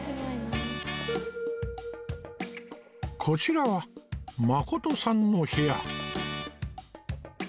こちらはまことさんの部屋